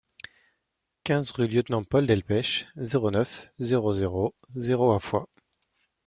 quinze rue Lieutenant Paul Delpech, zéro neuf, zéro zéro zéro à Foix